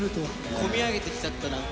こみ上げてきちゃったなんか。